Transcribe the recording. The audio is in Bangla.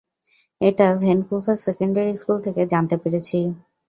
এটা ভেনকুভার সেকেন্ডারি স্কুল থেকে জানতে পেরেছি।